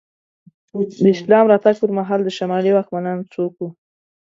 د اسلام راتګ پر مهال د شمالي واکمنان څوک وو؟